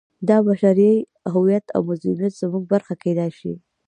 دا بشري هویت او مظلومیت زموږ برخه کېدای شي.